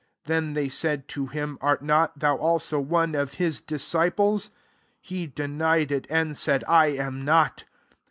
Then they said to him, " Art not thou also one of his disciples ?" He denied iV, and said, " I am not."